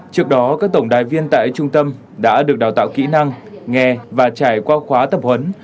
trước đó các tổng đài viên tại trung tâm đã được đào tạo kỹ năng nghe và trải qua khóa tập huấn